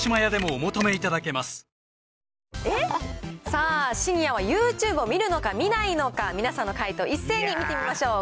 さあ、シニアはユーチューブを見るのか、見ないのか、皆さんの解答、一斉に見てみましょう。